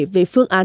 về phương án